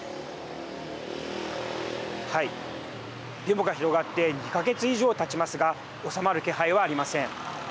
デモが広がって２か月以上たちますが収まる気配はありません。